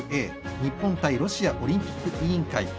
日本対ロシアオリンピック委員会。